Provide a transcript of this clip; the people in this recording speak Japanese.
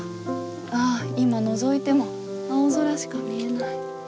ああ今のぞいても青空しか見えない。